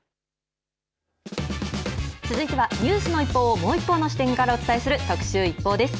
続いてはニュースの一報をもう一方の視点からお伝えする特集ＩＰＰＯＵです。